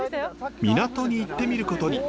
港に行ってみることに。